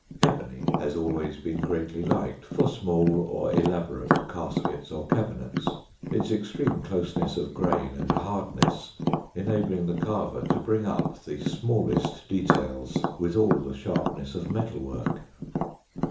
Ebony has always been greatly liked for small or elaborate caskets or cabinets, its extreme closeness of grain and hardness enabling the carver to bring up the smallest details with all the sharpness of metal work.